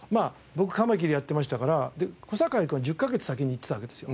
僕カマキリやってましたから小堺君は１０カ月先に行ってたわけですよ。